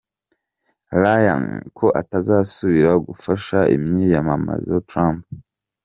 Ryan ko atazosubira gufasha imyiyamamazo Trump.